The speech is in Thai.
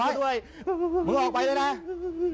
มึงไปเลยน่ะ